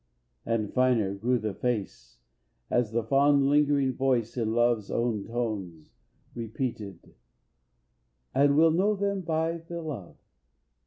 And finer grew the face As the fond lingering voice, in love's own tones, Repeated: "And we'll know them by the love."